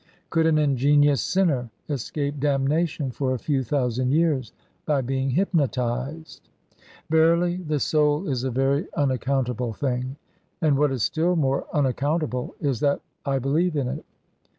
Could an ingenious sinner escape damnation for a few thousand years by being hypnotised? Verily the soul is a very unaccountable thing, and what is still more unaccountable is that I believe in it.